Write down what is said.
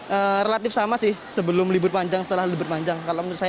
jadi relatif sama sih sebelum libur panjang setelah libur panjang